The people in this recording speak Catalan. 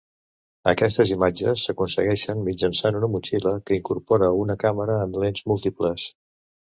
Aquestes imatges s'aconsegueixen mitjançant una motxilla que incorpora una càmera amb lents múltiples.